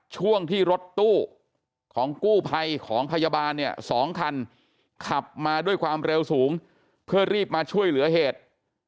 ช่วงที่รถตู้ของกู้ภัยของพยาบาลเนี่ย๒คันขับมาด้วยความเร็วสูงเพื่อรีบมาช่วยเหลือเหตุ